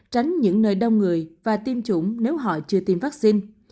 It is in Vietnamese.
tránh những nơi đông người và tiêm chủng nếu họ chưa tiêm vaccine